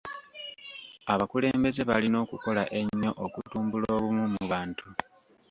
Abakulembeze balina okukola ennyo okutumbula obumu mu bantu.